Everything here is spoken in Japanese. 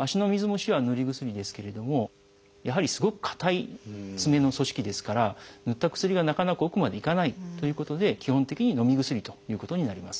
足の水虫はぬり薬ですけれどもやはりすごくかたい爪の組織ですからぬった薬がなかなか奥までいかないということで基本的にのみ薬ということになります。